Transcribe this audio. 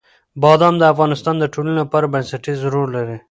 بادام د افغانستان د ټولنې لپاره بنسټيز رول لري.